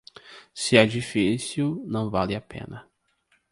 Se é difícil, não vale a pena.